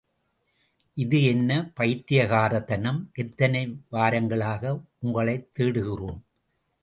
இது என்ன பைத்தியக்காரத்தனம், எத்தனை வாரங்களாக உங்களைத் தேடுகிறோம்?